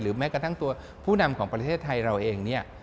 แม้กระทั่งตัวผู้นำของประเทศไทยเราเองเนี่ย